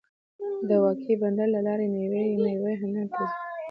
د واګې بندر له لارې میوې هند ته ځي.